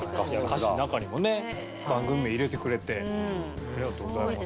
歌詞の中にもね番組名入れてくれてありがとうございます。